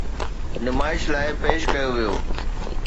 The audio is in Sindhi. نمائش لاءِ پيش ڪيو ويو.